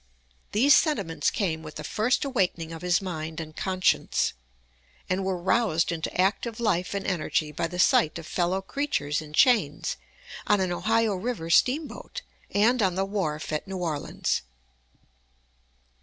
These sentiments came with the first awakening of his mind and conscience, and were roused into active life and energy by the sight of fellow creatures in chains on an Ohio River steamboat, and on the wharf at New Orleans.